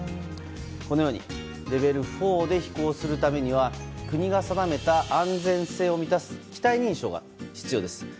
このようにレベル４で飛行するためには国が定めた安全性を満たす機体認証が必要です。